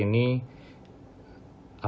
apa yang harus kita lakukan